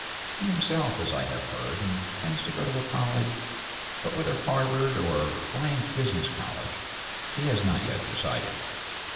He himself, as I have heard, intends to go to a college, but whether Harvard, or Bryant's Business College, he has not yet decided.